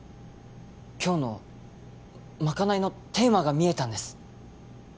今日のまかないのテーマが見えたんです